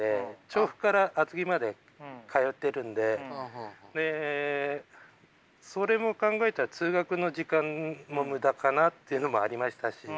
調布から厚木まで通ってるんででそれも考えたら通学の時間もムダかなっていうのもありましたし。